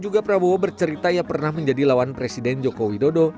juga prabowo bercerita yang pernah menjadi lawan presiden jokowi dodo